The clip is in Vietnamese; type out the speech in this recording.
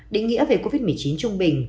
định nghĩa về covid một mươi chín trung bình